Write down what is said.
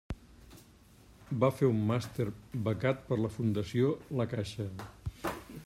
Va fer un màster becat per la Fundació La Caixa.